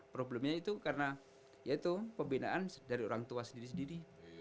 problemnya itu karena ya itu pembinaan dari orang tua sendiri sendiri